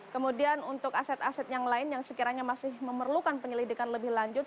kemudian untuk aset aset yang lain yang sekiranya masih memerlukan penyelidikan lebih lanjut